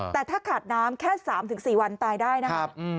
แต่ถ้าขาดน้ำแค่๓๔วันตายได้นะครับ